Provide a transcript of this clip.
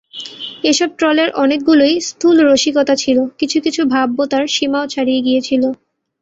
এসব ট্রলের অনেকগুলোই স্থূল রসিকতা ছিল, কিছু কিছু ভব্যতার সীমাও ছাড়িয়ে গিয়েছিল।